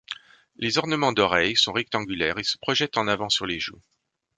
Les ornements d'oreille sont rectangulaires et se projettent en avant sur les joue.